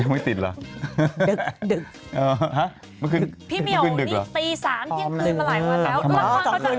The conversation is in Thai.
ไม่ติดหนึ่งเดือกพี่มิวตีสามเที่ยงคืนมาหลายวันแล้ว